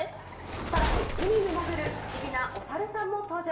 さらに海に潜る不思議なお猿さんも登場。